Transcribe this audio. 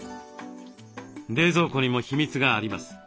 冷蔵庫にも秘密があります。